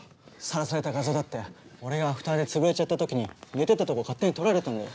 さらされた画像だって俺がアフターで潰れちゃったときに寝てたとこ勝手に撮られたんだよ。